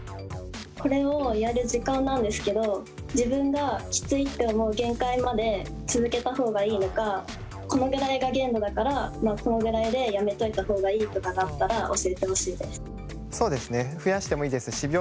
これをやる時間なんですけど自分がきついって思う限界まで続けた方がいいのかこのぐらいが限度だからこのぐらいでやめといた方がいいとかがあったら教えてほしいです。